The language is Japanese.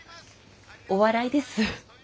お笑いです。